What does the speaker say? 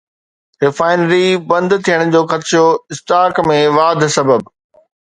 refinery بند ٿيڻ جو خدشو، اسٽاڪ ۾ واڌ سبب